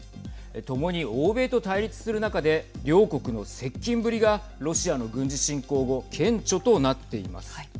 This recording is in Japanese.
ともに欧米と対立する中で両国の接近ぶりがロシアの軍事侵攻後顕著となっています。